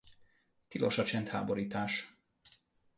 Tilos a csendháborítás!